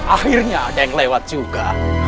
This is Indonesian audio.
akhirnya ada yang lewat juga